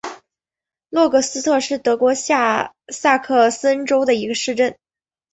温格斯特是德国下萨克森州的一个市镇。